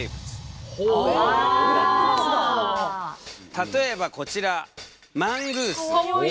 例えばこちらマングース。